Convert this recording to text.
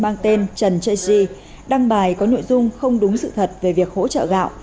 nên trần chê si đăng bài có nội dung không đúng sự thật về việc hỗ trợ gạo